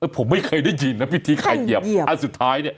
ผมไม่เคยได้ยินนะพิธีใครเหยียบอันสุดท้ายเนี่ย